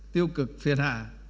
tiêu cực phiền hạ